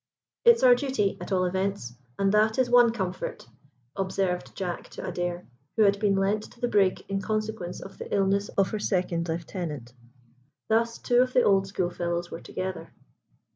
"It's our duty, at all events, and that is one comfort," observed Jack to Adair, who had been lent to the brig in consequence of the illness of her second lieutenant. Thus two of the old schoolfellows were together.